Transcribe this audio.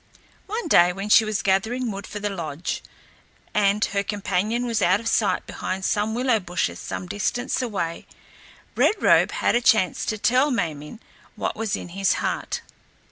One day, when she was gathering wood for the lodge, and her companion was out of sight behind some willow bushes some distance away, Red Robe had a chance to tell Ma min´ what was in his heart.